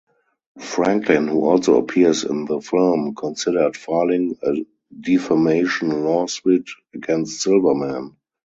Franklin, who also appears in the film, considered filing a defamation lawsuit against Silverman.